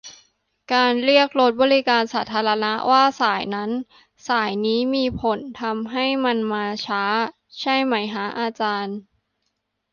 การเรียกรถบริการสาธารณะว่า 'สาย' นั้น 'สาย' นี้ มีผลทำให้มันมาช้า ใช่มั๊ยฮะอาจารย์ ?